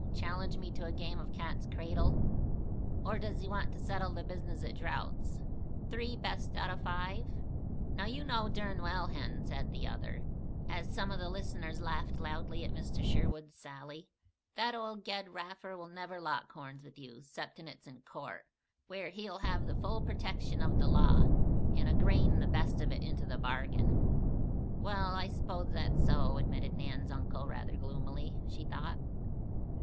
Challenge me to a game of cat's cradle? Or does he want to settle the business at draughts, three best out o' five?" "Now you know dern well, Hen," said the other, as some of the listeners laughed loudly at Mr. Sherwood's sally, "that old Ged Raffer will never lock horns with you 'ceptin' it's in court, where he'll have the full pertection of the law, and a grain the best of it into the bargain." "Well, I s'pose that's so," admitted Nan's uncle, rather gloomily, she thought.